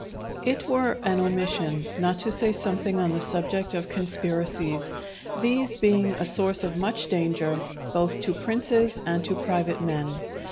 _ It were an omission not to say something on the subject of conspiracies, these being a source of much danger both to princes and to private men.